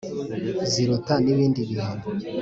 Ziruta n’ibindi bihe